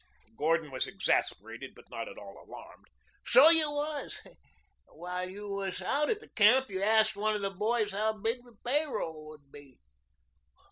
Gordon was exasperated, but not at all alarmed. "So you was. While you was out at the camp, you asked one of the boys how big the pay roll would be."